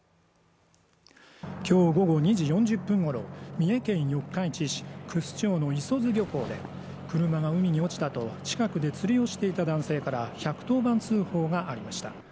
今日午後２時４０分ごろ三重県四日市市楠町の磯津漁港で車が海に落ちたと近くで釣りをしていた男性から１１０番通報がありました。